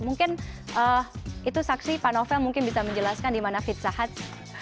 mungkin itu saksi panovell mungkin bisa menjelaskan dimana pizza hut